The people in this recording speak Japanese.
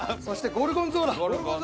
ゴルゴンゾーラ。